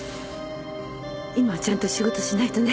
今はちゃんと仕事しないとね。